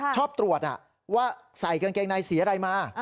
ชอบตรวจว่าใส่กางเกงในสีอะไรมา